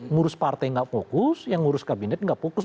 ngurus partai nggak fokus yang ngurus kabinet nggak fokus